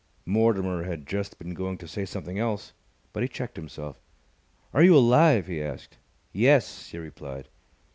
Mortimer had just been going to say something else, but he checked himself. "Are you alive?" he asked. "Yes," she replied.